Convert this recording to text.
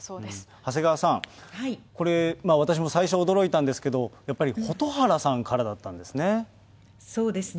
長谷川さん、これ、私も最初、驚いたんですけれども、やっぱり蛍原さんからだったんですね。